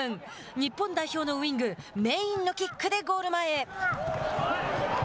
日本代表のウイングメインのキックでゴール前へ。